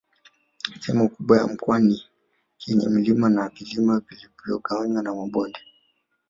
Sehemu kubwa ya mkoa ni yenye milima na vilima vilivyogawanywa na mabonde